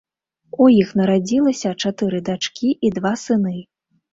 У іх нарадзілася чатыры дачкі і два сыны.